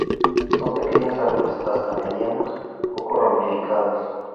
Son pequeños árboles hasta medianos poco ramificados.